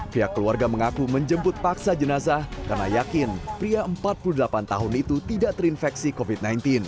pihak keluarga mengaku menjemput paksa jenazah karena yakin pria empat puluh delapan tahun itu tidak terinfeksi covid sembilan belas